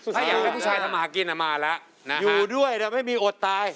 ถ้าอยากให้ผู้ชายทำมาหากินน่ะมาแล้วนะฮะอยู่ด้วยแล้วไม่มีอดตาย